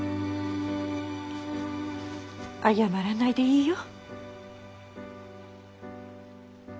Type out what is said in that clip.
謝らないでいいよ。